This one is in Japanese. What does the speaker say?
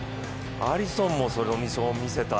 アリソンも、それを見せた。